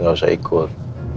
gak usah ikut